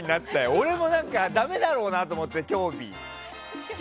俺もダメだろうなって思って。